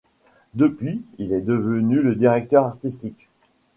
Depuis, il en est devenu le directeur artistique.